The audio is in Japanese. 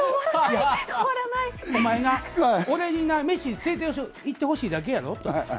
お前な、俺にな、飯連れて行ってほしいだけやろと。